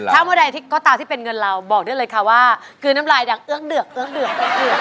ทำว่าใดก็ตามที่เป็นเงินเราบอกด้วยเลยค่ะว่ากลืนน้ำลายอย่างเอื้อกเดือกเอื้อกเดือก